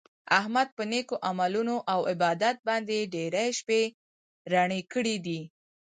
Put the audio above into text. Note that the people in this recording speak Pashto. احمد په نېکو عملونو او عبادت باندې ډېرې شپې رڼې کړي دي.